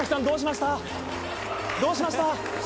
どうしました？